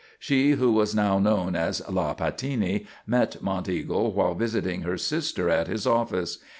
She who was now known as La Pattini met Monteagle while visiting her sister at his office.